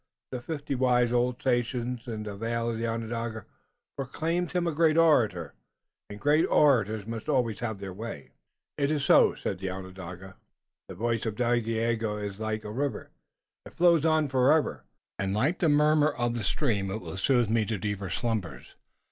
The fifty wise old sachems in the vale of Onondaga proclaimed him a great orator, and great orators must always have their way." "It is so," said the Onondaga. "The voice of Dagaeoga is like a river. It flows on forever, and like the murmur of the stream it will soothe me to deeper slumbers.